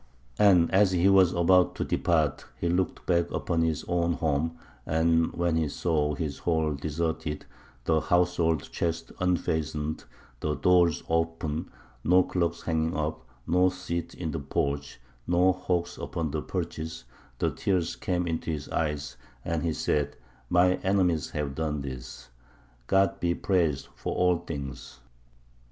"And as he was about to depart he looked back upon his own home, and when he saw his hall deserted the household chests unfastened the doors open, no cloaks hanging up, no seats in the porch, no hawks upon the perches, the tears came into his eyes, and he said, My enemies have done this.... God be praised for all things.